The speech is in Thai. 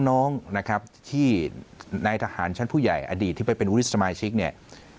น้องนะครับที่นายทหารชั้นผู้ใหญ่อดีตที่ไปเป็นวุฒิสมาชิกเนี่ย